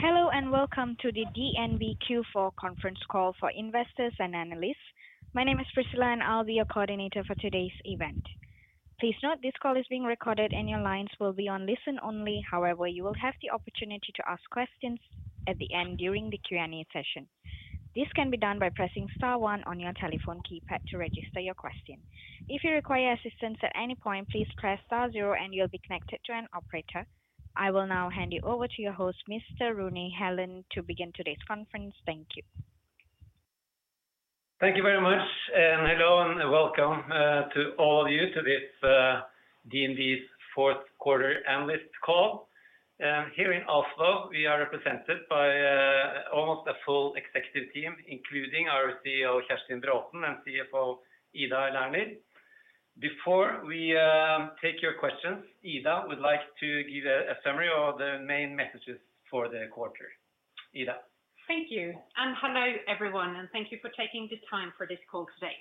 Hello, and welcome to the DNB Q4 conference call for investors and analysts. My name is Priscilla, and I'll be your coordinator for today's event. Please note this call is being recorded, and your lines will be on listen only. However, you will have the opportunity to ask questions at the end during the Q&A session. This can be done by pressing star one on your telephone keypad to register your question. If you require assistance at any point, please press star zero and you'll be connected to an operator. I will now hand you over to your host, Mr. Rune Helland, to begin today's conference. Thank you. Thank you very much. Hello, and welcome, to all of you to this DNB's fourth quarter analyst call. Here in Oslo, we are represented by almost a full executive team, including our CEO, Kjerstin Braathen, and CFO, Ida Lerner. Before we take your questions, Ida would like to give a summary of the main messages for the quarter. Ida. Thank you. Hello, everyone, and thank you for taking the time for this call today.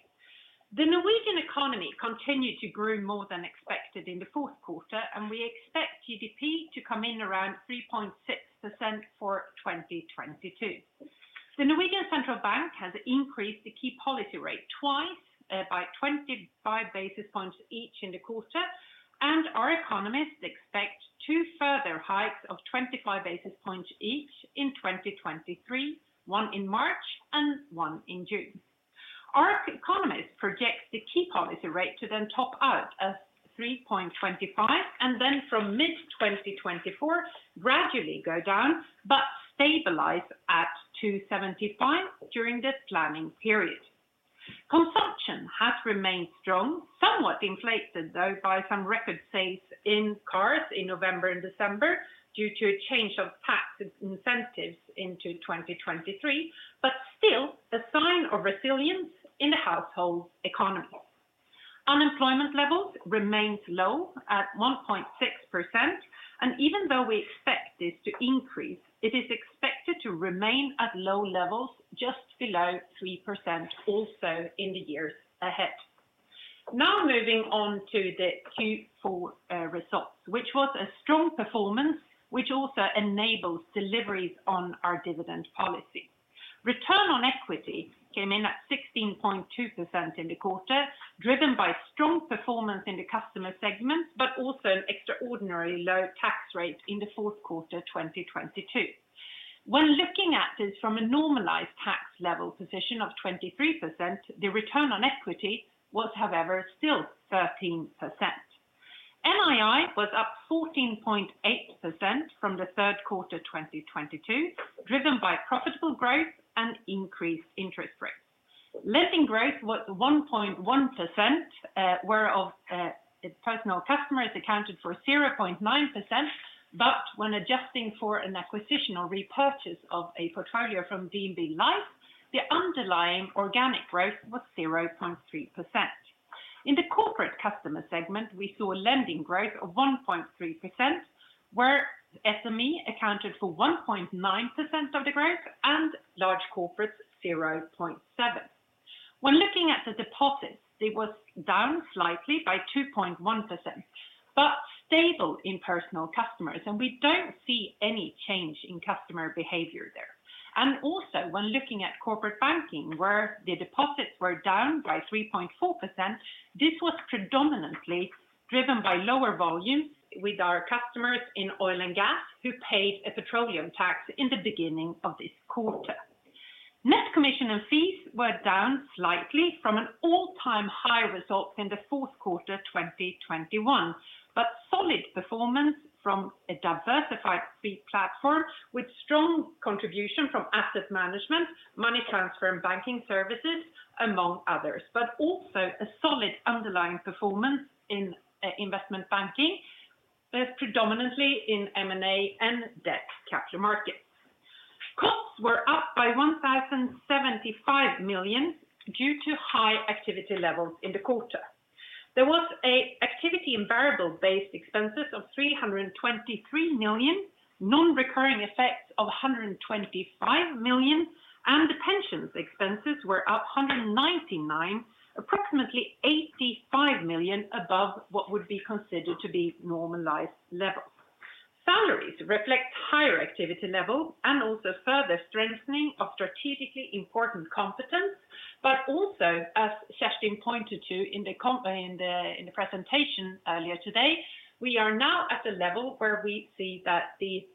The Norwegian economy continued to grow more than expected in the fourth quarter, and we expect GDP to come in around 3.6% for 2022. The Norwegian Central Bank has increased the key policy rate twice, by 25 basis points each in the quarter, and our economists expect two further hikes of 25 basis points each in 2023, one in March and one in June. Our economists project the key policy rate to then top out at 3.25, and then from mid-2024 gradually go down but stabilize at 2.75 during this planning period. Consumption has remained strong, somewhat inflated though by some record sales in cars in November and December due to a change of tax incentives into 2023, but still a sign of resilience in the household's economy. Unemployment levels remained low at 1.6%, and even though we expect this to increase, it is expected to remain at low levels just below 3% also in the years ahead. Moving on to the Q4 results, which was a strong performance which also enables deliveries on our dividend policy. Return on equity came in at 16.2% in the quarter, driven by strong performance in the customer segment, but also an extraordinary low tax rate in the fourth quarter 2022. When looking at this from a normalized tax level position of 23%, the return on equity was, however, still 13%. NII was up 14.8% from the third quarter 2022, driven by profitable growth and increased interest rates. Lending growth was 1.1%, whereof its personal customers accounted for 0.9%. When adjusting for an acquisition or repurchase of a portfolio from DNB Life, the underlying organic growth was 0.3%. In the corporate customer segment, we saw a lending growth of 1.3%, where SME accounted for 1.9% of the growth and large corporates 0.7%. When looking at the deposits, it was down slightly by 2.1%, but stable in personal customers, and we don't see any change in customer behavior there. Also, when looking at corporate banking, where the deposits were down by 3.4%, this was predominantly driven by lower volumes with our customers in oil and gas who paid a petroleum tax in the beginning of this quarter. Net commission and fees were down slightly from an all-time high result in the fourth quarter 2021, solid performance from a diversified fee platform with strong contribution from asset management, money transfer and banking services, among others. Also a solid underlying performance in investment banking, predominantly in M and A and debt capital markets. Costs were up by 1,075 million due to high activity levels in the quarter. There was a activity in variable based expenses of 323 million, non-recurring effects of 125 million. The pensions expenses were up 199, approximately 85 million above what would be considered to be normalized levels. Salaries reflect higher activity level and also further strengthening of strategically important competence, also as Kjerstin pointed to in the presentation earlier today, we are now at a level where we see that the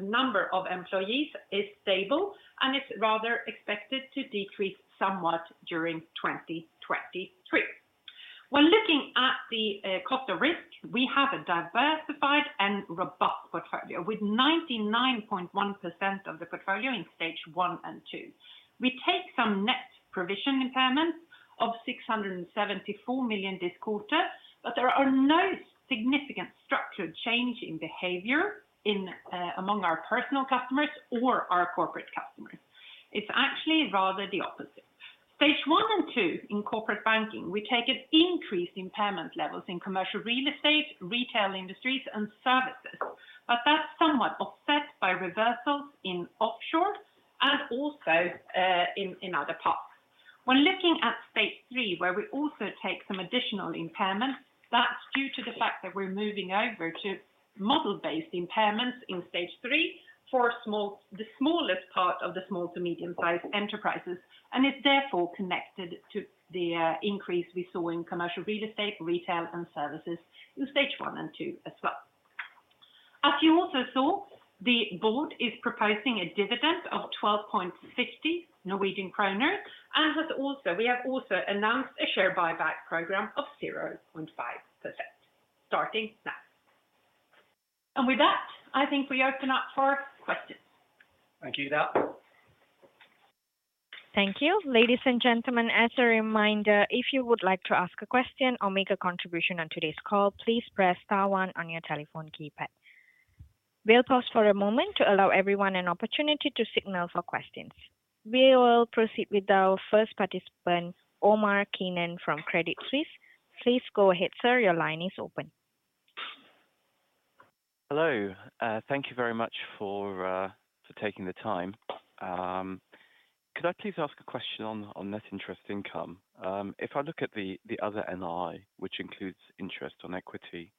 number of employees is stable and is rather expected to decrease somewhat during 2023. When looking at the cost of risk, we have a diversified and robust portfolio with 99.1% of the portfolio in Stage one and two. We take some net provision impairments of 674 million this quarter, but there are no significant structured change in behavior among our personal customers or our corporate customers. It's actually rather the opposite. Stage one and two in corporate banking, we take an increase in impairment levels in commercial real estate, retail industries and services, but that's somewhat offset by reversals in offshore. Also, in other parts. When looking at Stage three, where we also take some additional impairment, that's due to the fact that we're moving over to model-based impairments in Stage three for the smallest part of the small to medium-sized enterprises. It's therefore connected to the increase we saw in commercial real estate, retail, and services in Stage one and two as well. As you also saw, the board is proposing a dividend of 12.50 Norwegian kroner, and we have also announced a share buyback program of 0.5% starting now. With that, I think we open up for questions. Thank you, Ida. Thank you. Ladies and gentlemen, as a reminder, if you would like to ask a question or make a contribution on today's call, please press star one on your telephone keypad. We'll pause for a moment to allow everyone an opportunity to signal for questions. We will proceed with our first participant, Omar Keenan from Credit Suisse. Please go ahead, sir. Your line is open. Hello. Thank you very much for taking the time. Could I please ask a question on net interest income? If I look at the other NII, which includes interest on equity,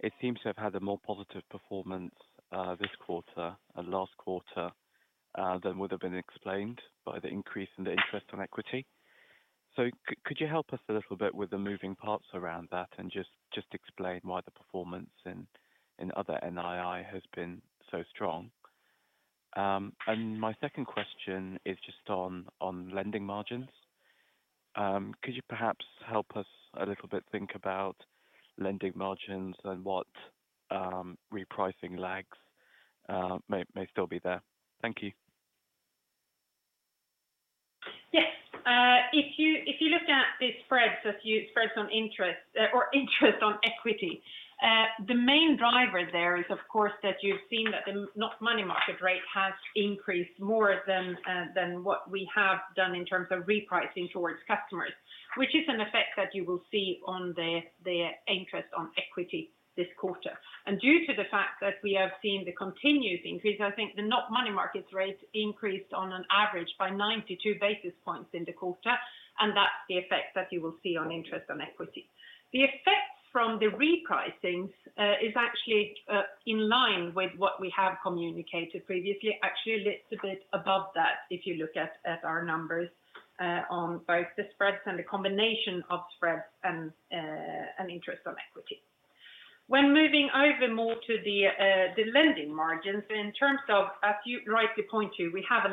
it seems to have had a more positive performance, this quarter and last quarter, than would have been explained by the increase in the interest on equity. Could you help us a little bit with the moving parts around that and just explain why the performance in other NII has been so strong? My second question is just on lending margins. Could you perhaps help us a little bit think about lending margins and what repricing lags may still be there? Thank you. Yes. If you looked at the spreads on interest, or interest on equity, the main driver there is, of course, that you've seen that the NOWA money market rate has increased more than what we have done in terms of repricing towards customers, which is an effect that you will see on the interest on equity this quarter. Due to the fact that we have seen the continuous increase, I think the NOWA money market rate increased on an average by 92 basis points in the quarter. That's the effect that you will see on interest on equity. The effect from the repricings is actually in line with what we have communicated previously. Actually, a little bit above that if you look at our numbers, on both the spreads and the combination of spreads and interest on equity. When moving over more to the lending margins, in terms of, as you rightly point to, we have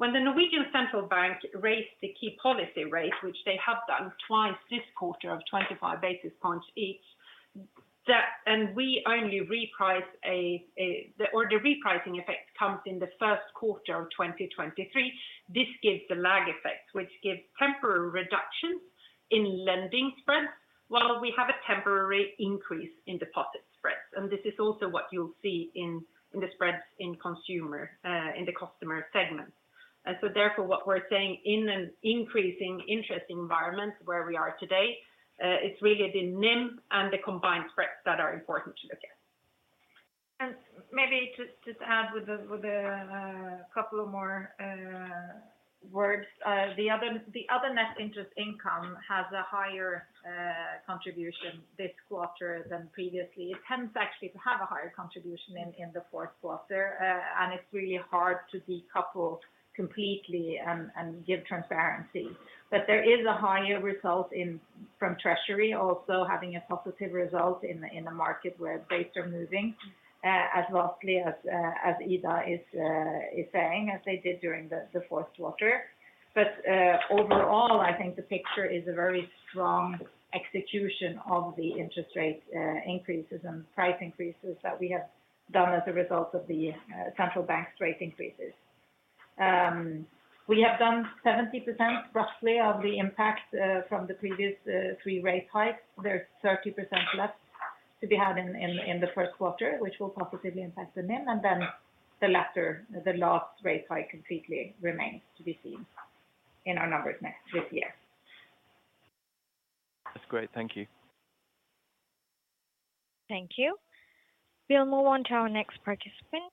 a lag effect. When Norges Bank raised the key policy rate, which they have done twice this quarter of 25 basis points each, that. The repricing effect comes in the first quarter of 2023. This gives the lag effect, which gives temporary reductions in lending spreads, while we have a temporary increase in deposit spreads. This is also what you'll see in the spreads in consumer, in the customer segment. Therefore, what we're saying in an increasing interest environment where we are today, it's really the NIM and the combined spreads that are important to look at. Maybe just add with a couple of more words. The other net interest income has a higher contribution this quarter than previously. It tends actually to have a higher contribution in the fourth quarter, and it's really hard to decouple completely and give transparency. There is a higher result from treasury also having a positive result in the market where rates are moving, as lastly as Ida is saying, as they did during the fourth quarter. Overall, I think the picture is a very strong execution of the interest rate increases and price increases that we have done as a result of the central bank's rate increases. We have done 70% roughly of the impact from the previous 3 rate hikes. There's 30% left to be had in the 1st quarter, which will positively impact the NIM. The latter, the last rate hike completely remains to be seen in our numbers this year. That's great. Thank you. Thank you. We'll move on to our next participant.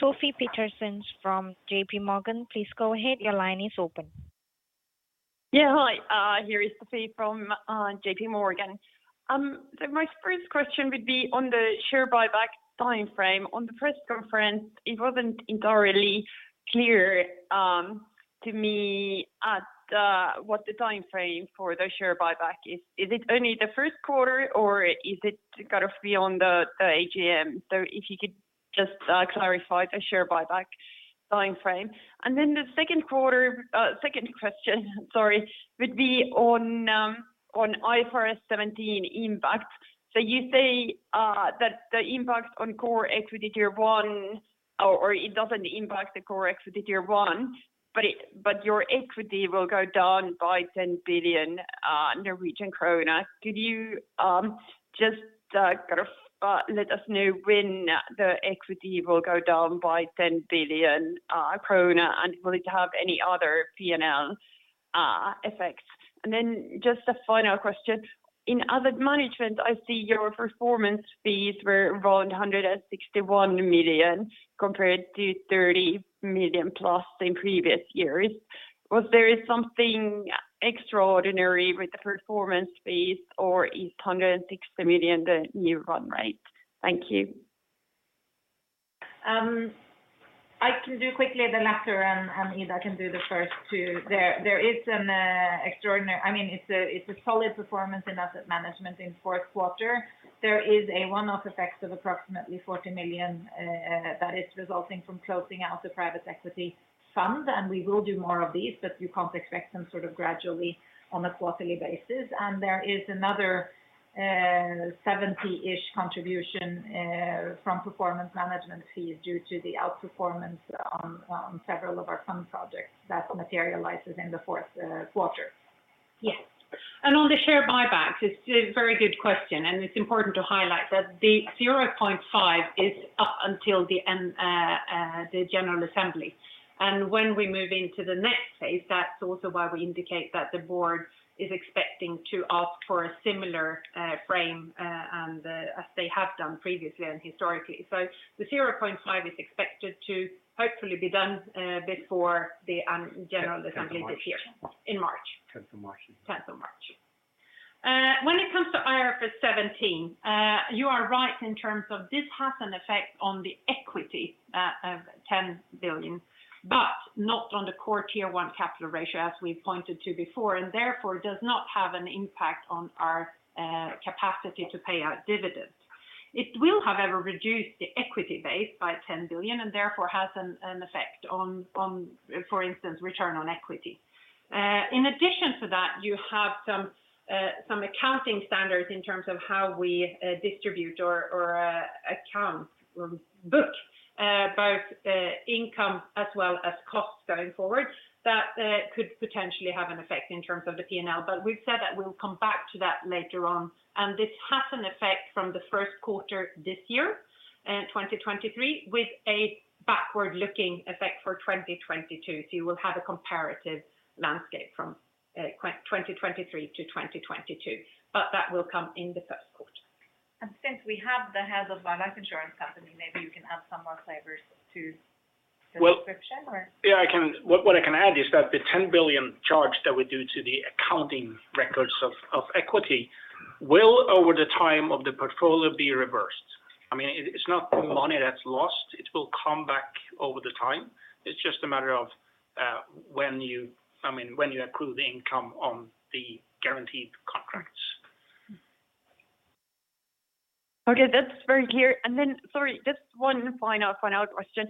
V Sofie Peterzens from J.P. Morgan. Please go ahead. Your line is open. Yeah. Hi. Here is Sofie from J.P. Morgan. My first question would be on the share buyback timeframe. On the press conference, it wasn't entirely clear to me at what the timeframe for the share buyback is. Is it only the first quarter, or is it kind of beyond the AGM? If you could just clarify the share buyback timeframe. The second question, sorry, would be on IFRS 17 impact. You say that the impact on Common Equity Tier 1 or it doesn't impact the Common Equity Tier 1, but your equity will go down by 10 billion Norwegian kroner. Could you just kind of let us know when the equity will go down by 10 billion krone? Will it have any other P&L effects. Just a final question. In asset management, I see your performance fees were around 161 million compared to 30 million plus in previous years. Was there something extraordinary with the performance fees, or is 160 million the new run rate? Thank you. I can do quickly the latter and Ida can do the first two. There is an extraordinary... I mean, it's a solid performance in asset management in fourth quarter. There is a one-off effect of approximately 40 million that is resulting from closing out the private equity fund, and we will do more of these, but you can't expect them sort of gradually on a quarterly basis. There is another seventy-ish contribution from performance management fees due to the outperformance on several of our fund projects that materializes in the fourth quarter. Yes. On the share buybacks, it's a very good question, and it's important to highlight that the 0.5 is up until the end, the General Assembly. When we move into the next phase, that's also why we indicate that the board is expecting to ask for a similar frame, and as they have done previously and historically. The 0.5 is expected to hopefully be done before the. Yes. General assembly this year. March. In March. Tenth of March. 10th of March. When it comes to IFRS 17, you are right in terms of this has an effect on the equity, of 10 billion, but not on the core Tier 1 capital ratio as we pointed to before, and therefore does not have an impact on our capacity to pay out dividends. It will, however, reduce the equity base by 10 billion and therefore has an effect on, for instance, return on equity. In addition to that, you have some accounting standards in terms of how we distribute or account or book both income as well as costs going forward that could potentially have an effect in terms of the P&L. We've said that we'll come back to that later on, and this has an effect from the first quarter this year, 2023, with a backward-looking effect for 2022. You will have a comparative landscape from 2023 to 2022. That will come in the first quarter. Since we have the head of our life insurance company, maybe you can add some more flavors to the description or... Well, yeah, I can add is that the 10 billion charge that we do to the accounting records of equity will, over the time of the portfolio, be reversed. I mean, it's not money that's lost. It will come back over the time. It's just a matter of, I mean, when you accrue the income on the guaranteed contracts. Okay, that's very clear. Sorry, just one final question.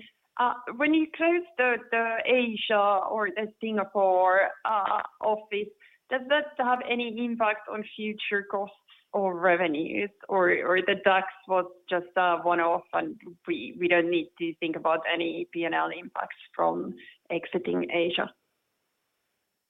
When you close the Asia or the Singapore office, does that have any impact on future costs or revenues? The tax was just a one-off and we don't need to think about any P&L impacts from exiting Asia?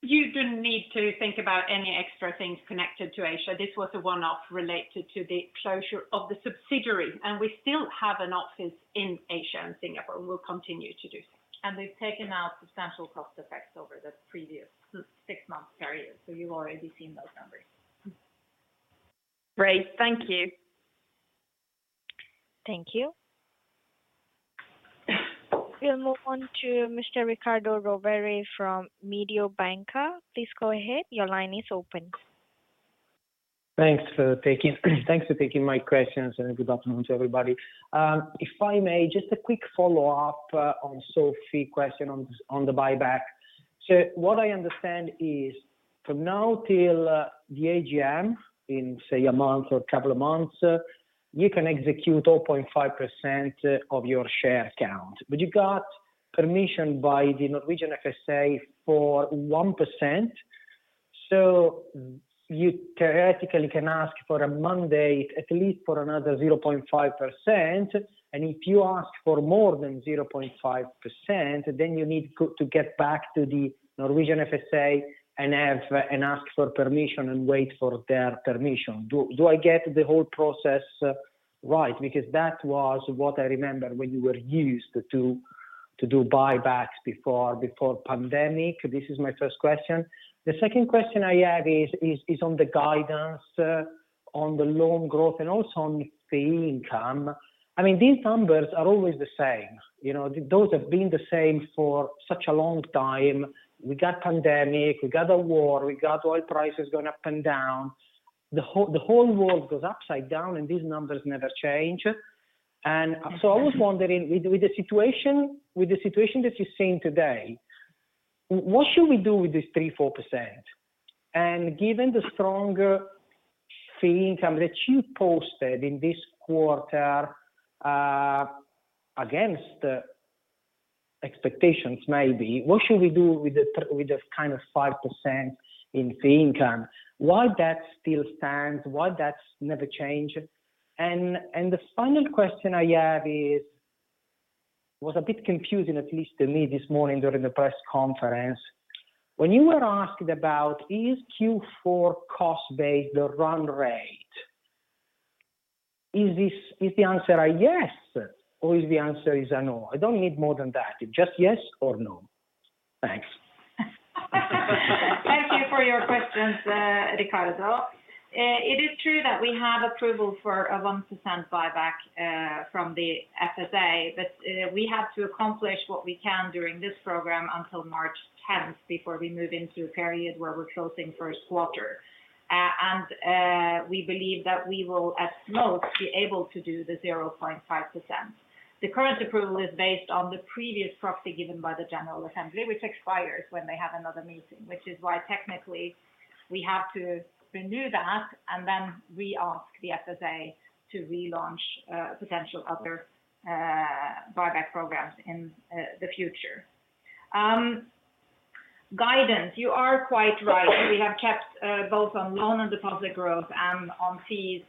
You don't need to think about any extra things connected to Asia. This was a one-off related to the closure of the subsidiary, and we still have an office in Asia and Singapore, and we'll continue to do so. We've taken out substantial cost effects over the previous six-month period, so you've already seen those numbers. Great. Thank you. Thank you. We'll move on to Mr. Riccardo Rovere from Mediobanca. Please go ahead. Your line is open. Thanks for taking my questions, good afternoon to everybody. If I may, just a quick follow-up on Sofie question on the buyback. What I understand is from now till the AGM in, say, a month or 2 months, you can execute 0.5% of your share count. You got permission by the Norwegian FSA for 1%, you theoretically can ask for a mandate at least for another 0.5%. If you ask for more than 0.5%, you need to get back to the Norwegian FSA and ask for permission and wait for their permission. Do I get the whole process right? That was what I remember when you were used to do buybacks before pandemic. This is my first question. The second question I have is on the guidance on the loan growth and also on fee income. I mean, these numbers are always the same. You know, those have been the same for such a long time. We got pandemic, we got a war, we got oil prices going up and down. The whole, the whole world goes upside down, these numbers never change. I was wondering with the situation, with the situation that you're seeing today, what should we do with this 3%-4%? Given the stronger fee income that you posted in this quarter against expectations maybe, what should we do with the kind of 5% in fee income? Why that still stands, why that's never change? The final question I have is... Was a bit confusing, at least to me this morning during the press conference. When you were asked about is Q4 cost base the run rate. Is the answer a yes or is the answer is a no? I don't need more than that. Just yes or no. Thanks. Thank you for your questions, Ricardo. It is true that we have approval for a 1% buyback from the FSA, we have to accomplish what we can during this program until March 10th before we move into a period where we're closing first quarter. We believe that we will at most be able to do the 0.5%. The current approval is based on the previous proxy given by the general assembly, which expires when they have another meeting, which is why technically we have to renew that and then re-ask the FSA to relaunch potential other buyback programs in the future. Guidance. You are quite right. We have kept both on loan and deposit growth and on fees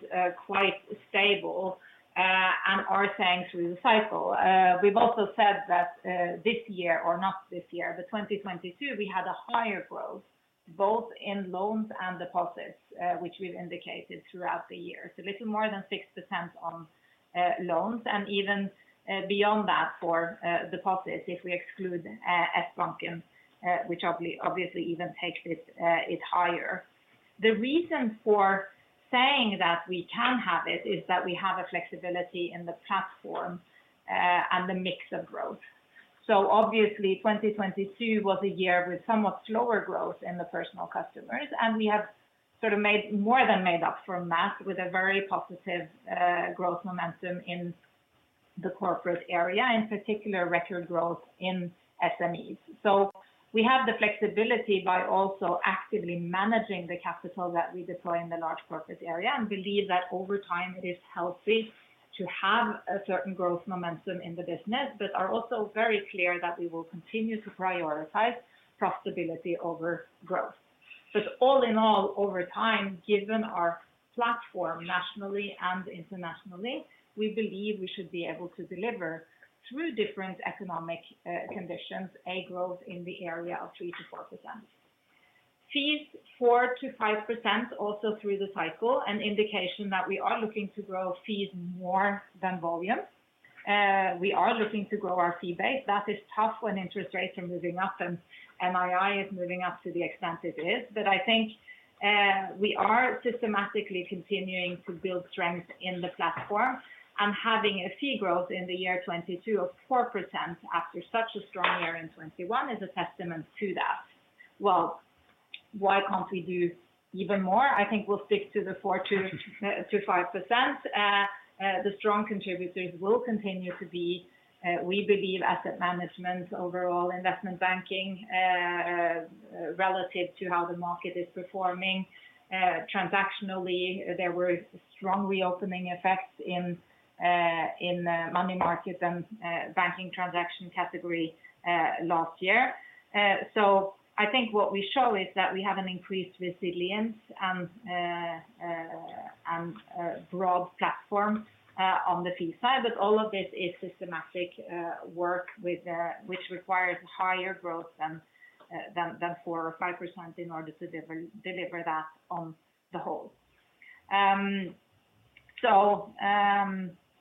quite stable and are saying through the cycle. We've also said that this year or not this year, but 2022 we had a higher growth both in loans and deposits, which we've indicated throughout the year. A little more than 6% on loans and even beyond that for deposits if we exclude Sbanken, which obviously even takes it is higher. The reason for saying that we can have it is that we have a flexibility in the platform and the mix of growth. Obviously 2022 was a year with somewhat slower growth in the personal customers, and we have sort of made more than made up for mass with a very positive growth momentum in the corporate area, in particular record growth in SMEs. We have the flexibility by also actively managing the capital that we deploy in the large corporate area and believe that over time it is healthy to have a certain growth momentum in the business, but are also very clear that we will continue to prioritize profitability over growth. All in all over time, given our platform nationally and internationally, we believe we should be able to deliver through different economic conditions, a growth in the area of 3%-4%. Fees 4%-5% also through the cycle, an indication that we are looking to grow fees more than volume. We are looking to grow our fee base. That is tough when interest rates are moving up and NII is moving up to the extent it is. I think, we are systematically continuing to build strength in the platform and having a fee growth in the year 2022 of 4% after such a strong year in 2021 is a testament to that. Why can't we do even more? I think we'll stick to the 4%-5%. The strong contributors will continue to be, we believe asset management, overall investment banking, relative to how the market is performing. Transactionally, there were strong reopening effects in money markets and banking transaction category last year. I think what we show is that we have an increased resilience and broad platform on the fee side. All of this is systematic work with, which requires higher growth than 4% or 5% in order to deliver that on the whole.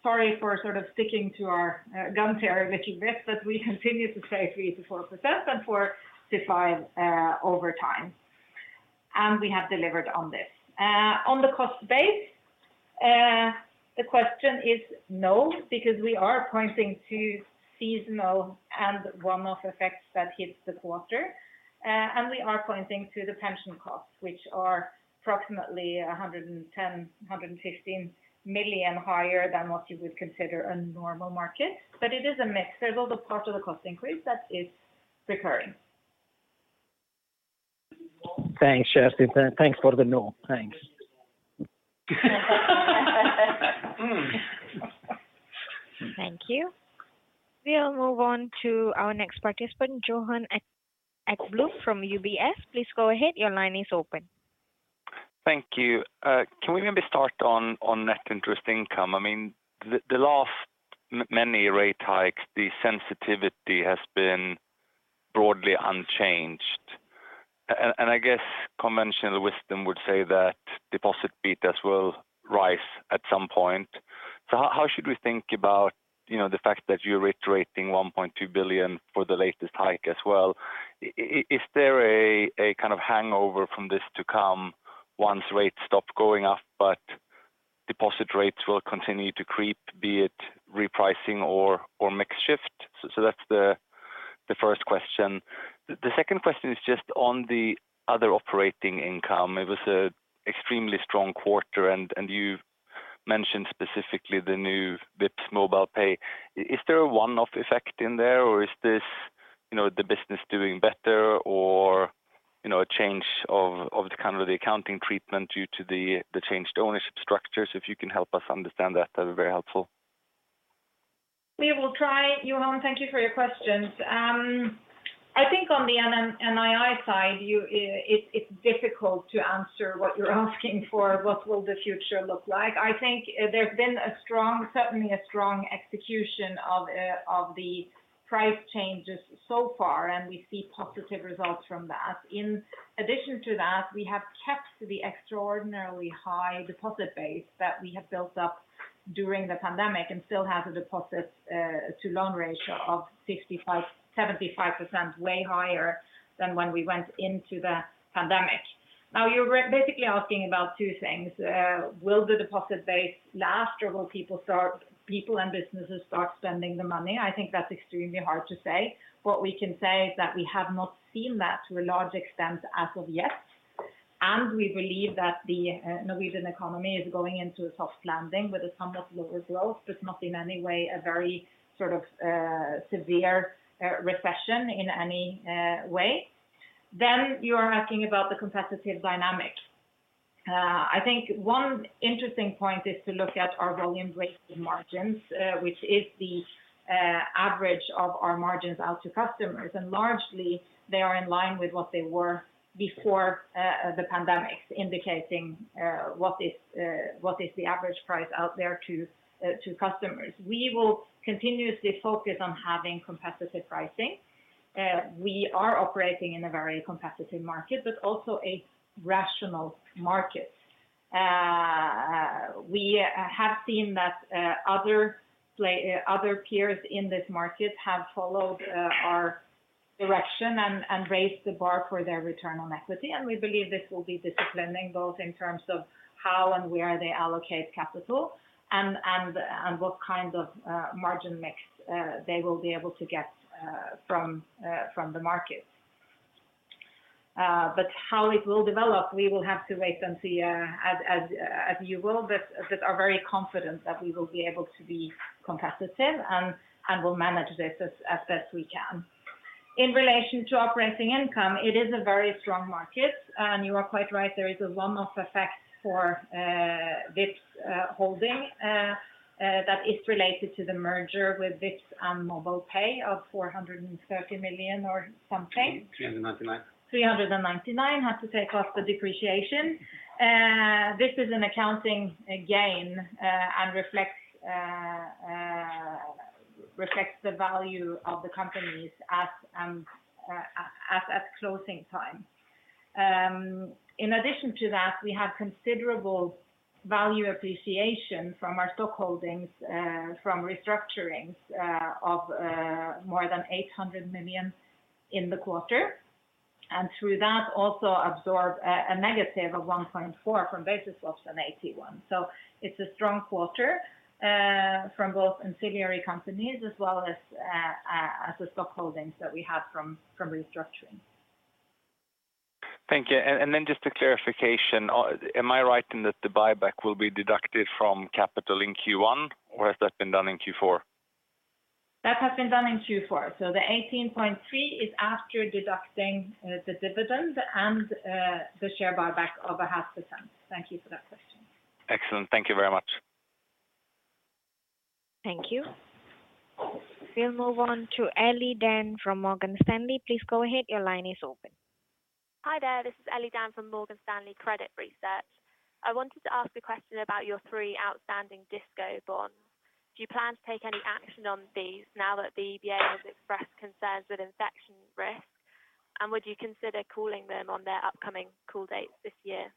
Sorry for sort of sticking to our gun here, which is this, but we continue to say 3%-4% and 4%-5% over time, and we have delivered on this. On the cost base, the question is no, because we are pointing to seasonal and one-off effects that hit the quarter. We are pointing to the pension costs, which are approximately 110 million-115 million higher than what you would consider a normal market. It is a mix. There's also part of the cost increase that is recurring. Thanks, Kjerstin. Thanks for the no. Thanks. Thank you. We'll move on to our next participant, Johan Ekblom from UBS. Please go ahead. Your line is open. Thank you. Can we maybe start on net interest income? I mean, the last many rate hikes, the sensitivity has been broadly unchanged. And I guess conventional wisdom would say that deposit betas will rise at some point. How should we think about, you know, the fact that you're reiterating 1.2 billion for the latest hike as well? Is there a kind of hangover from this to come once rates stop going up, but deposit rates will continue to creep, be it repricing or mix shift? That's the first question. The second question is just on the other operating income. It was an extremely strong quarter and you mentioned specifically the new Vipps MobilePay. Is there a one-off effect in there or is this, you know, the business doing better or, you know, a change of kind of the accounting treatment due to the changed ownership structure? If you can help us understand that'd be very helpful. We will try, Johan. Thank you for your questions. On the NII side, you, it's difficult to answer what you're asking for. What will the future look like? I think there's been a certainly a strong execution of the price changes so far, and we see positive results from that. In addition to that, we have kept the extraordinarily high deposit base that we have built up during the pandemic and still have a deposit to loan ratio of 75%, way higher than when we went into the pandemic. Now, you're basically asking about two things. Will the deposit base last or will people and businesses start spending the money? I think that's extremely hard to say. What we can say is that we have not seen that to a large extent as of yet, and we believe that the Norwegian economy is going into a soft landing with a somewhat lower growth. It's not in any way a very, sort of, severe recession in any way. You are asking about the competitive dynamic. I think one interesting point is to look at our volume-weighted margins, which is the average of our margins out to customers. Largely, they are in line with what they were before the pandemic, indicating what is what is the average price out there to customers. We will continuously focus on having competitive pricing. We are operating in a very competitive market, but also a rational market. We have seen that other peers in this market have followed our direction and raised the bar for their return on equity, and we believe this will be disciplining both in terms of how and where they allocate capital and what kind of margin mix they will be able to get from the market. How it will develop, we will have to wait and see as you will. Are very confident that we will be able to be competitive and will manage this as best we can. In relation to operating income, it is a very strong market. You are quite right, there is a one-off effect for Vipps Holding that is related to the merger with Vipps and MobilePay of 430 million or something. 399. 399, not to take off the depreciation. This is an accounting gain and reflects the value of the companies as at closing time. In addition to that, we have considerable value appreciation from our stock holdings from restructurings of more than 800 million in the quarter. Through that, also absorb a negative of 1.4 from Basisbank and AT1. It's a strong quarter from both ancillary companies as well as the stock holdings that we have from restructuring. Thank you. Then just a clarification. Am I right in that the buyback will be deducted from capital in Q1, or has that been done in Q4? That has been done in Q4. The 18.3% is after deducting the dividend and the share buyback of a 0.5%. Thank you for that question. Excellent. Thank you very much. Thank you. We'll move on to Eleni Dana from Morgan Stanley. Please go ahead. Your line is open. Hi there. This is Eleni Dana from Morgan Stanley Credit Research. I wanted to ask a question about your three outstanding CoCos bonds. Do you plan to take any action on these now that the EBA has expressed concerns with infection risk? Would you consider calling them on their upcoming call dates this year?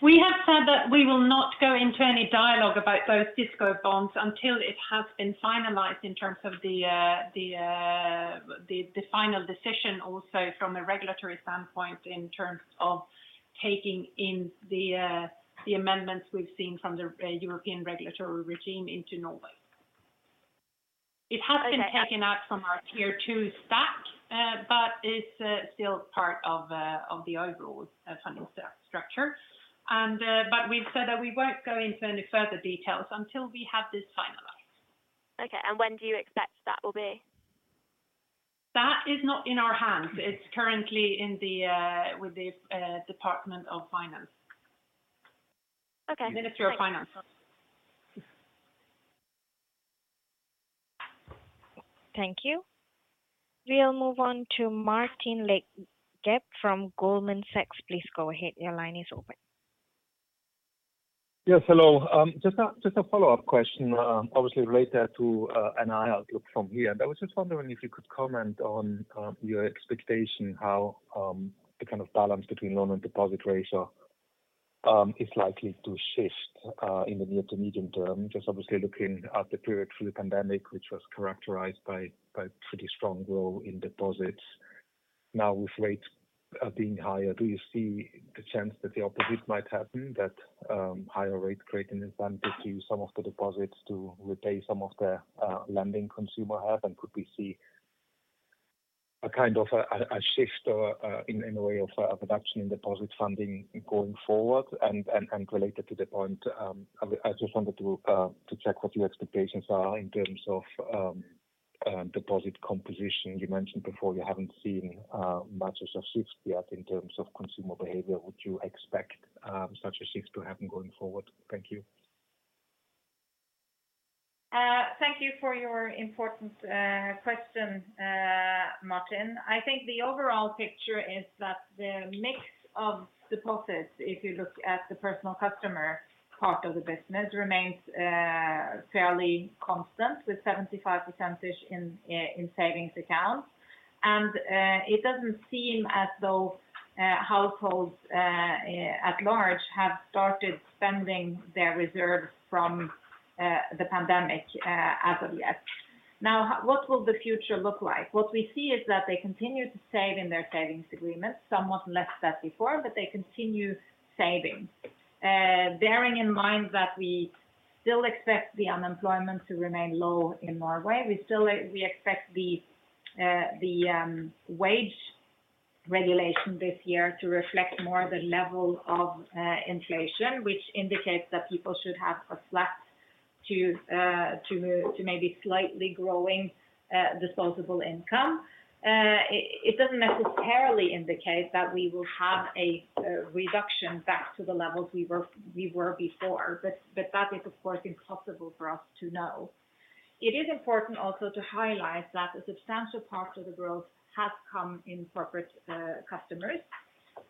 We have said that we will not go into any dialogue about those CoCos until it has been finalized in terms of the the the final decision also from a regulatory standpoint in terms of taking in the the amendments we've seen from the European regulatory regime into Norway. It has been taken out from our Tier 2 stack, but it's still part of of the overall funding structure. We've said that we won't go into any further details until we have this finalized. Okay. When do you expect that will be? That is not in our hands. It's currently in the with the Department of Finance. Okay. Minister of Finance. Thank you. We'll move on to Martin Leitgeb from Goldman Sachs. Please go ahead. Your line is open. Yes, hello. Just a follow-up question, obviously related to NII outlook from here. I was just wondering if you could comment on your expectation how the kind of balance between loan and deposit ratio is likely to shift in the near to medium term. Just obviously looking at the period through the pandemic, which was characterized by pretty strong growth in deposits. Now, with rates being higher, do you see the chance that the opposite might happen? That higher rates create an incentive to use some of the deposits to repay some of the lending consumer have? Could we see a kind of a shift in a way of reduction in deposit funding going forward? Related to the point, I just wanted to check what your expectations are in terms of deposit composition. You mentioned before you haven't seen much of shift yet in terms of consumer behavior. Would you expect such a shift to happen going forward? Thank you. Thank you for your important question, Martin. I think the overall picture is that the mix of deposits, if you look at the personal customer part of the business, remains fairly constant with 75% in savings accounts. It doesn't seem as though households at large have started spending their reserves from the pandemic as of yet. Now, what will the future look like? What we see is that they continue to save in their savings agreements, somewhat less than before, but they continue saving. Bearing in mind that we still expect the unemployment to remain low in Norway, we still expect the wage regulation this year to reflect more the level of inflation, which indicates that people should have a flat to maybe slightly growing disposable income. It doesn't necessarily indicate that we will have a reduction back to the levels we were before, but that is, of course, impossible for us to know. It is important also to highlight that a substantial part of the growth has come in corporate customers.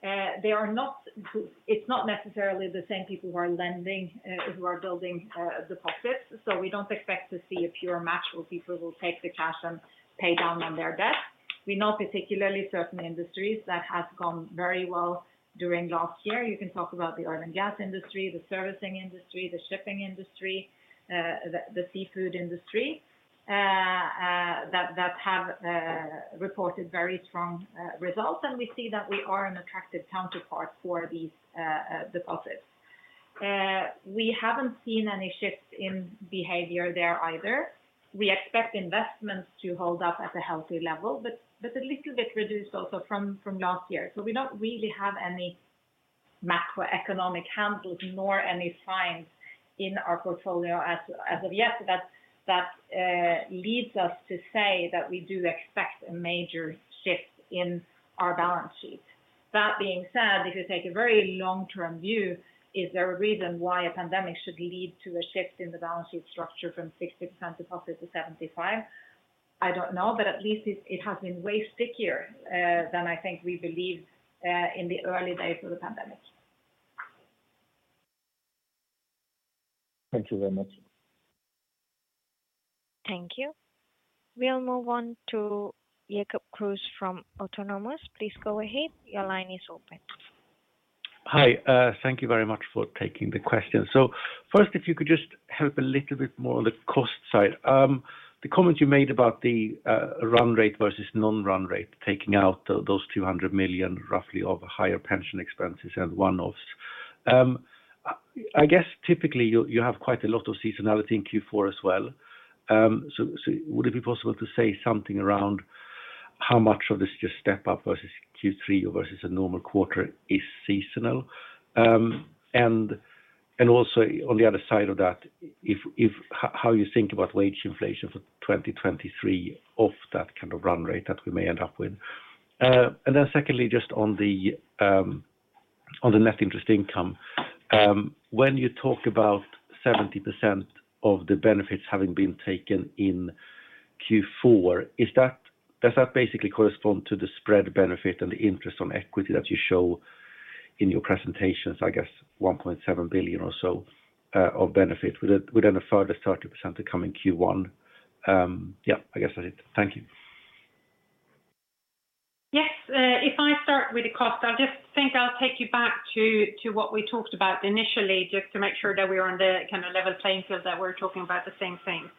It's not necessarily the same people who are lending, who are building deposits, so we don't expect to see a pure match where people will take the cash and pay down on their debt. We know particularly certain industries that have gone very well during last year. You can talk about the oil and gas industry, the servicing industry, the shipping industry, the seafood industry that have reported very strong results, and we see that we are an attractive counterpart for these deposits. We haven't seen any shifts in behavior there either. We expect investments to hold up at a healthy level, but a little bit reduced also from last year. We don't really have any macroeconomic handles nor any signs in our portfolio as of yet that leads us to say that we do expect a major shift in our balance sheet. That being said, if you take a very long-term view, is there a reason why a pandemic should lead to a shift in the balance sheet structure from 60% deposit to 75%? I don't know, but at least it has been way stickier than I think we believed in the early days of the pandemic. Thank you very much. Thank you. We'll move on to Jakob Kruse from Autonomous. Please go ahead. Your line is open. Hi. Thank you very much for taking the question. First, if you could just help a little bit more on the cost side. The comment you made about the run rate versus non-run rate, taking out those 200 million roughly of higher pension expenses and one-offs. I guess typically you have quite a lot of seasonality in Q4 as well. So would it be possible to say something around how much of this just step up versus Q3 or versus a normal quarter is seasonal? Also on the other side of that, if how you think about wage inflation for 2023 off that kind of run rate that we may end up with. Secondly, just on the Net Interest Income. When you talk about 70% of the benefits having been taken in Q4, does that basically correspond to the spread benefit and the interest on equity that you show in your presentations, I guess 1.7 billion or so of benefit? Would any further 30% to come in Q1? Yeah, I guess that's it. Thank you. Yes. If I start with the cost, I'll just think I'll take you back to what we talked about initially just to make sure that we are on the kind of level playing field that we're talking about the same thing.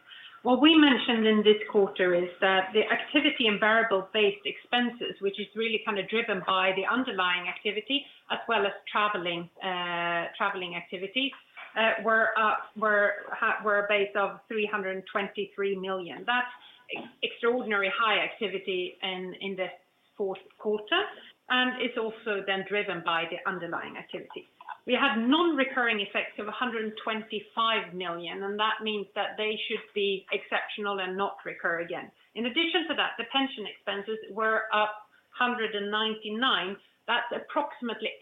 What we mentioned in this quarter is that the activity in variable-based expenses, which is really kind of driven by the underlying activity as well as traveling activity, were up, were a base of 323 million. That's extraordinarily high activity in the fourth quarter, and it's also then driven by the underlying activity. We had non-recurring effects of 125 million, and that means that they should be exceptional and not recur again. In addition to that, the pension expenses were up 199 million. That's approximately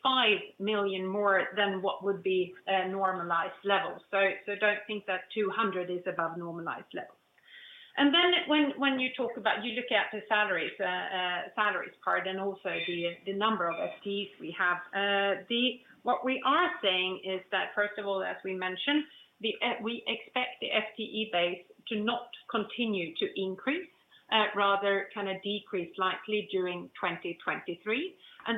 85 million more than what would be a normalized level. Don't think that 200 is above normalized levels. When, when you talk about you look at the salaries part and also the number of FTEs we have. What we are saying is that, first of all, as we mentioned, we expect the FTE base to not continue to increase, rather kind of decrease likely during 2023.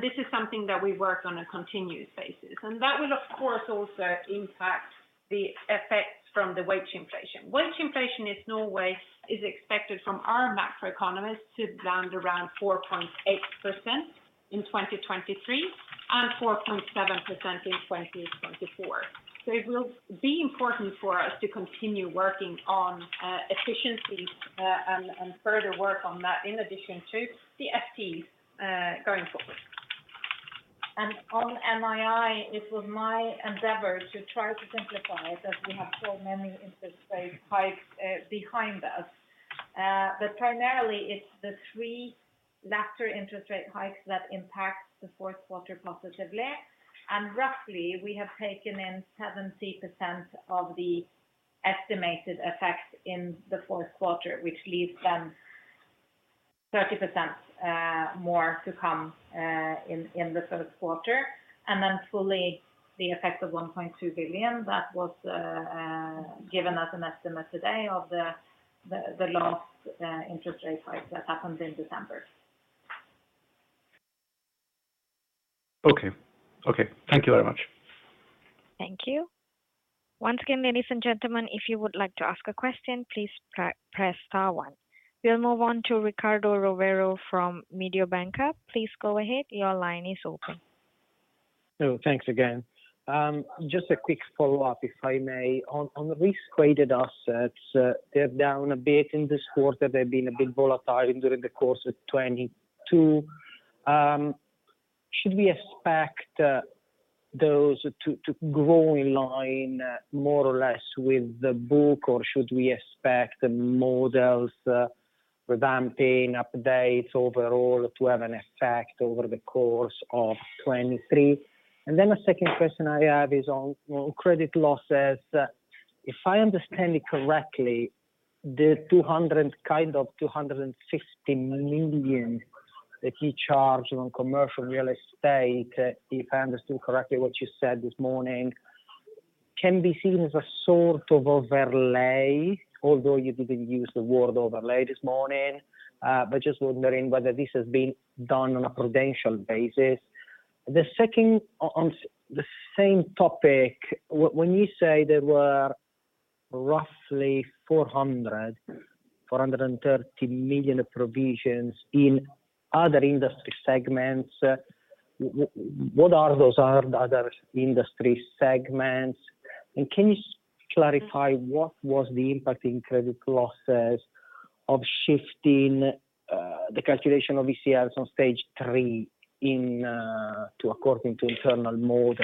This is something that we work on a continuous basis. That will of course also impact the effects from the wage inflation. Wage inflation in Norway is expected from our macroeconomists to land around 4.8% in 2023 and 4.7% in 2024. It will be important for us to continue working on, efficiency, and further work on that in addition to the FTEs, going forward. On NII, it was my endeavor to try to simplify that we have so many interest rate hikes behind us. Primarily it's the three latter interest rate hikes that impact the fourth quarter positively. Roughly, we have taken in 70% of the estimated effect in the fourth quarter, which leaves then 30% more to come in the first quarter, and then fully the effect of 1.2 billion that was given as an estimate today of the last interest rate hike that happened in December. Okay. Okay. Thank you very much. Thank you. Once again, ladies and gentlemen, if you would like to ask a question, please pre-press star one. We'll move on to Riccardo Rovere from Mediobanca. Please go ahead. Your line is open. Thanks again. Just a quick follow-up, if I may. On risk-weighted assets, they're down a bit in this quarter. They've been a bit volatile during the course of 2022. Should we expect those to grow in line more or less with the book, or should we expect the models, redempting updates overall to have an effect over the course of 2023? A second question I have is on credit losses. If I understand it correctly, the 200 million-250 million that you charged on commercial real estate, if I understood correctly what you said this morning, can be seen as a sort of overlay, although you didn't use the word overlay this morning. Just wondering whether this has been done on a prudential basis. The second on the same topic, when you say there were roughly 430 million provisions in other industry segments, what are those other industry segments? Can you clarify what was the impact in credit losses of shifting the calculation of ECLs on Stage 3 to according to internal models?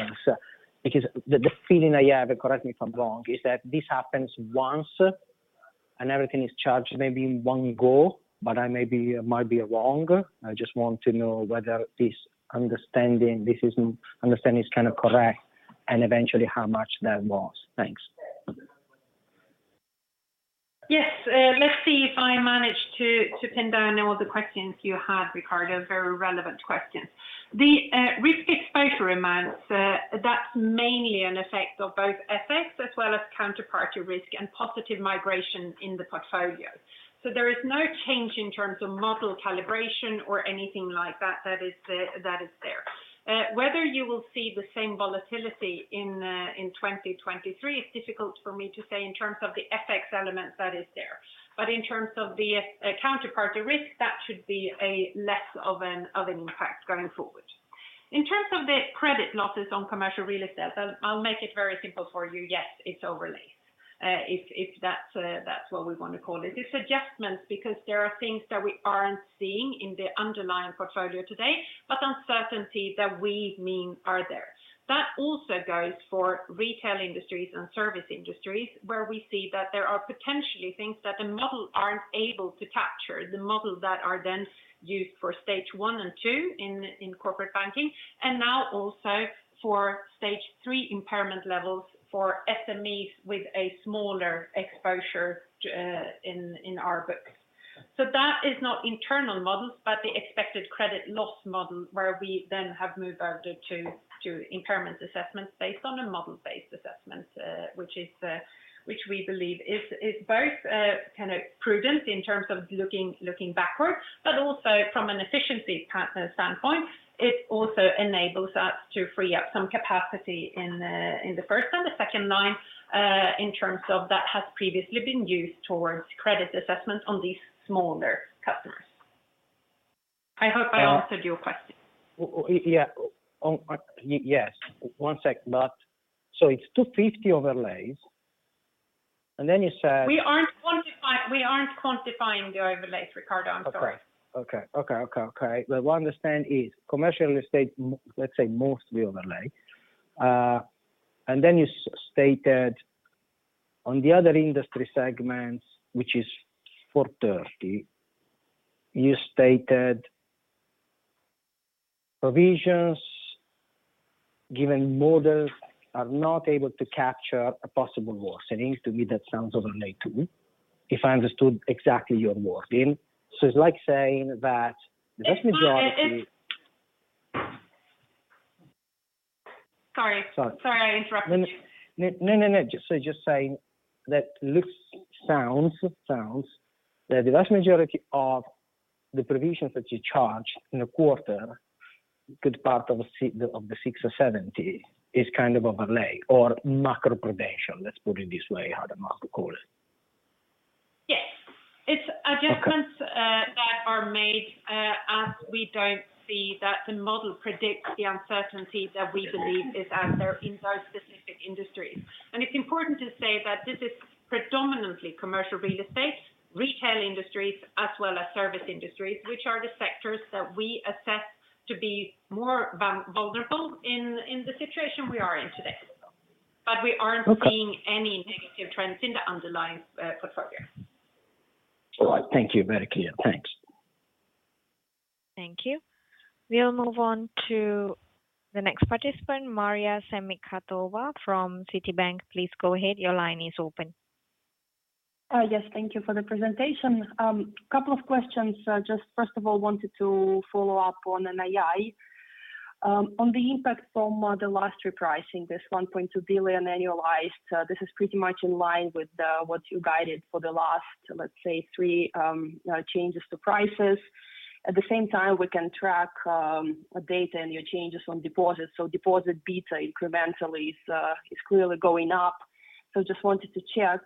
The feeling I have, and correct me if I'm wrong, is that this happens once and everything is charged maybe in one go, but I may be, might be wrong. I just want to know whether this understanding is kind of correct and eventually how much that was. Thanks. Yes. Let's see if I manage to pin down all the questions you had, Riccardo. Very relevant questions. The risk exposure amounts, that's mainly an effect of both FX as well as counterparty risk and positive migration in the portfolio. There is no change in terms of model calibration or anything like that that is there. Whether you will see the same volatility in 2023, it's difficult for me to say in terms of the FX element that is there. In terms of the counterparty risk, that should be less of an impact going forward. In terms of the credit losses on commercial real estate, I'll make it very simple for you. Yes, it's overlays. If that's what we want to call it. It's adjustments because there are things that we aren't seeing in the underlying portfolio today, but uncertainty that we mean are there. That also goes for retail industries and service industries, where we see that there are potentially things that the model aren't able to capture, the models that are then used for Stage 1 and 2 in corporate banking, and now also for Stage three impairment levels for SMEs with a smaller exposure in our books. That is not internal models, but the expected credit loss model, where we then have moved over to impairment assessments based on a model-based assessment, which we believe is both kind of prudent in terms of looking backwards, but also from an efficiency standpoint, it also enables us to free up some capacity in the first and the second line, in terms of that has previously been used towards credit assessments on these smaller customers. I hope I answered your question. Yeah. Yes. One sec. It's 250 overlays. We aren't quantifying the overlays, Riccardo. I'm sorry. Okay. What I understand is commercial real estate, let's say mostly overlay. Then you stated on the other industry segments, which is 430, you stated provisions given models are not able to capture a possible loss. It seems to me that sounds overlay too, if I understood exactly your wording. It's like saying that the vast majority- Sorry. Sorry. Sorry, I interrupted you. No. No, no. Just, just saying that looks, sounds that the vast majority of the provisions that you charge in a quarter, good part of the 670 is kind of overlay or macro provision. Let's put it this way, how the market call it. Yes. It's. Okay. that are made, as we don't see that the model predicts the uncertainty that we believe is out there in those specific industries. It's important to say that this is predominantly commercial real estate, retail industries, as well as service industries, which are the sectors that we assess to be more vulnerable in the situation we are in today. We aren't seeing any negative trends in the underlying portfolio. All right. Thank you. Very clear. Thanks. Thank you. We'll move on to the next participant, Maria Semikhatova from Citi. Please go ahead. Your line is open. Yes. Thank you for the presentation. Couple of questions. Just first of all, wanted to follow up on NII. On the impact from the last repricing, this 1.2 billion annualized, this is pretty much in line with what you guided for the last, let's say, three changes to prices. At the same time, we can track data and your changes on deposits. Deposit beta incrementally is clearly going up. Just wanted to check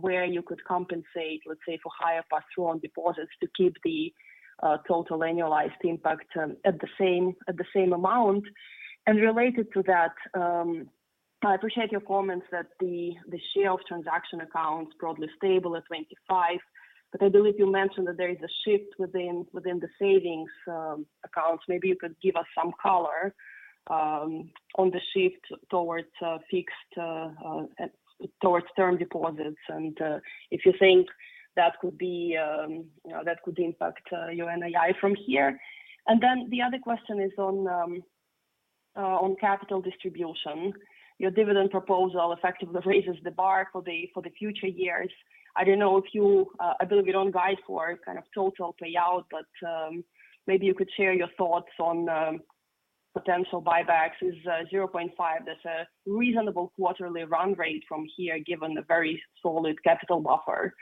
where you could compensate, let's say, for higher pass-through on deposits to keep the total annualized impact at the same amount. Related to that, I appreciate your comments that the share of transaction accounts broadly stable at 25%. I believe you mentioned that there is a shift within the savings accounts. Maybe you could give us some color on the shift towards fixed towards term deposits and if you think that could be, you know, that could impact your NII from here. The other question is on capital distribution. Your dividend proposal effectively raises the bar for the future years. I don't know if you. I believe you don't guide for kind of total payout, but maybe you could share your thoughts on potential buybacks. Is 0.5, that's a reasonable quarterly run rate from here given the very solid capital buffer?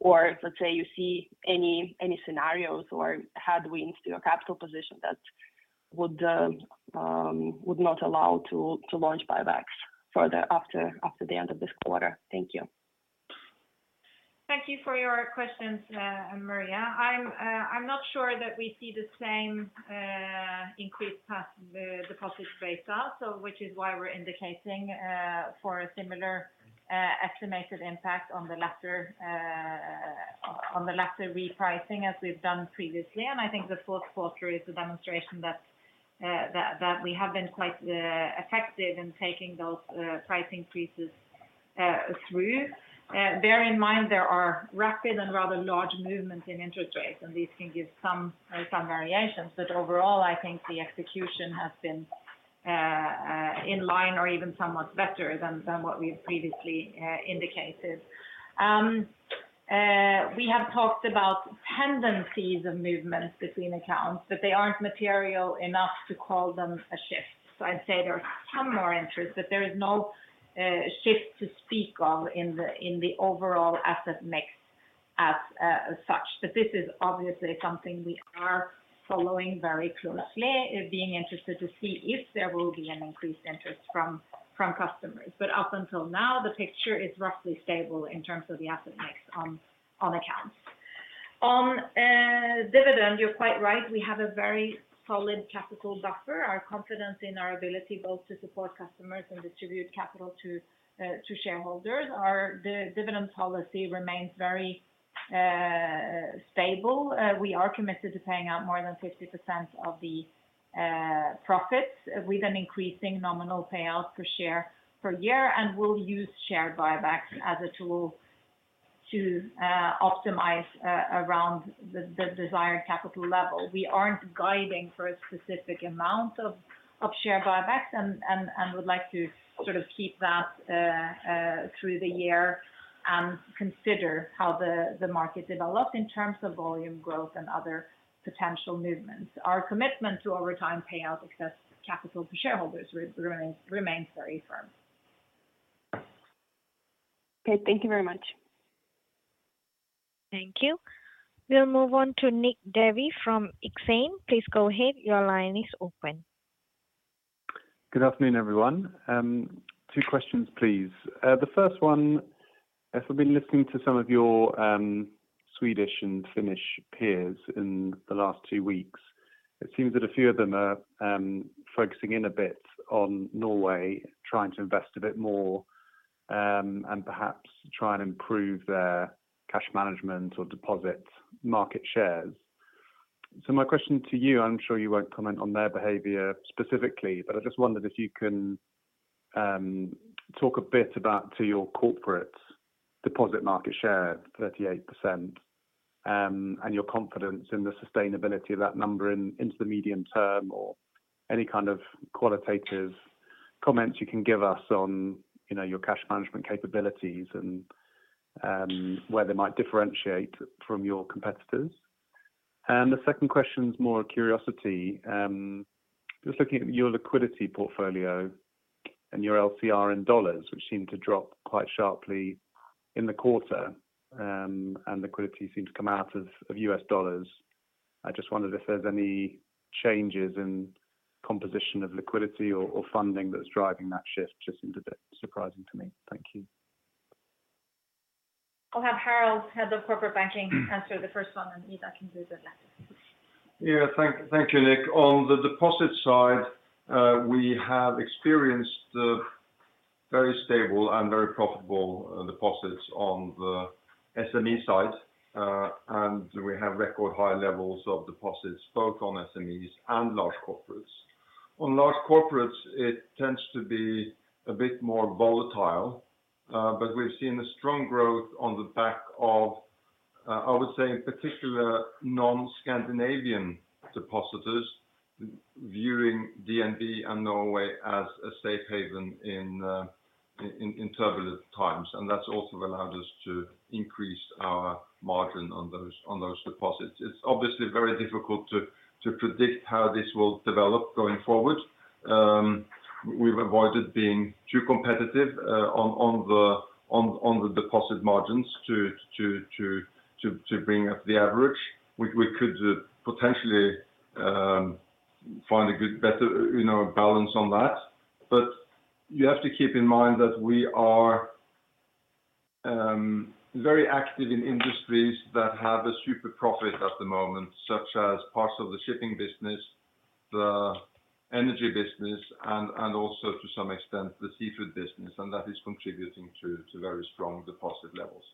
Let's say you see any scenarios or headwinds to your capital position that would not allow to launch buybacks further after the end of this quarter? Thank you. Thank you for your questions, Maria. I'm not sure that we see the same increased pass through the deposit base are, which is why we're indicating for a similar estimated impact on the latter repricing as we've done previously. I think the fourth quarter is a demonstration that we have been quite effective in taking those price increases through. Bear in mind there are rapid and rather large movements in interest rates, and these can give some variations. Overall, I think the execution has been in line or even somewhat better than what we've previously indicated. We have talked about tendencies of movements between accounts, but they aren't material enough to call them a shift. I'd say there are some more interest, but there is no shift to speak of in the, in the overall asset mix as such. This is obviously something we are following very closely, being interested to see if there will be an increased interest from customers. Up until now, the picture is roughly stable in terms of the asset mix on accounts. On dividend, you're quite right. We have a very solid capital buffer. Our confidence in our ability both to support customers and distribute capital to shareholders are... The dividend policy remains very stable. We are committed to paying out more than 50% of the profits with an increasing nominal payout per share per year, and we'll use share buybacks as a tool to optimize around the desired capital level. We aren't guiding for a specific amount of share buybacks and would like to sort of keep that through the year and consider how the market develops in terms of volume growth and other potential movements. Our commitment to over time payout excess capital to shareholders remains very firm. Okay. Thank you very much. Thank you. We'll move on to Nick Davey from Exane. Please go ahead. Your line is open. Good afternoon, everyone. Two questions, please. The first one, as we've been listening to some of your Swedish and Finnish peers in the last two weeks, it seems that a few of them are focusing in a bit on Norway, trying to invest a bit more, and perhaps try and improve their cash management or deposit market shares. My question to you, I'm sure you won't comment on their behavior specifically, but I just wondered if you can talk a bit about to your corporate deposit market share, 38%, and your confidence in the sustainability of that number into the medium term or any kind of qualitative comments you can give us on, you know, your cash management capabilities and where they might differentiate from your competitors. The second question is more a curiosity. Just looking at your liquidity portfolio and your LCR in dollars, which seemed to drop quite sharply in the quarter, and liquidity seemed to come out of US dollars. I just wondered if there's any changes in composition of liquidity or funding that's driving that shift? Just seemed a bit surprising to me. Thank you. I'll have Harald, Head of Corporate Banking, answer the first one. Eva can do the next. Yeah. Thank you, Nick. On the deposit side, we have experienced, very stable and very profitable, deposits on the SME side, we have record high levels of deposits both on SMEs and large corporates. On large corporates, it tends to be a bit more volatile, we've seen a strong growth on the back of, I would say in particular, non-Scandinavian depositors viewing DNB and Norway as a safe haven in turbulent times. That's also allowed us to increase our margin on those deposits. It's obviously very difficult to predict how this will develop going forward. We've avoided being too competitive on the deposit margins to bring up the average. We could potentially find a good, better, you know, balance on that. You have to keep in mind that we are very active in industries that have a super profit at the moment, such as parts of the shipping business, the energy business and also to some extent the seafood business. That is contributing to very strong deposit levels.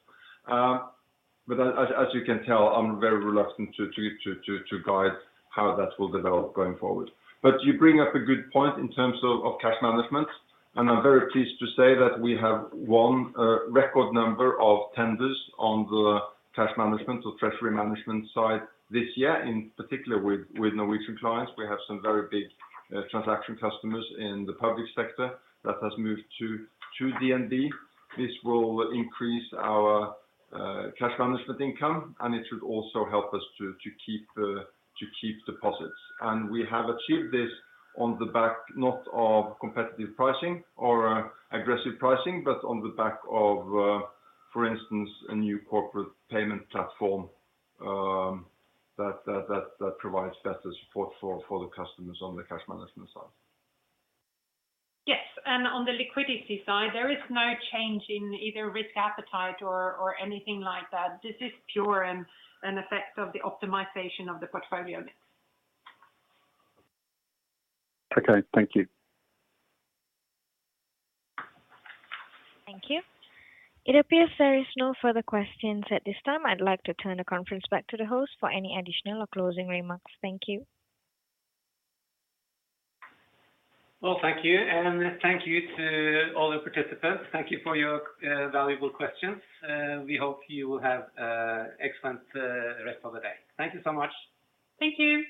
As you can tell, I'm very reluctant to guide how that will develop going forward. You bring up a good point in terms of cash management, and I'm very pleased to say that we have won a record number of tenders on the cash management or treasury management side this year, in particular with Norwegian clients. We have some very big transaction customers in the public sector that has moved to DNB. This will increase our cash management income, and it should also help us to keep deposits. We have achieved this on the back not of competitive pricing or aggressive pricing, but on the back of, for instance, a new corporate payment platform that provides better support for the customers on the cash management side. Yes. On the liquidity side, there is no change in either risk appetite or anything like that. This is pure an effect of the optimization of the portfolio mix. Okay. Thank you. Thank you. It appears there is no further questions at this time. I'd like to turn the conference back to the host for any additional or closing remarks. Thank you. Well, thank you. Thank you to all the participants. Thank you for your valuable questions. We hope you will have a excellent rest of the day. Thank you so much. Thank you.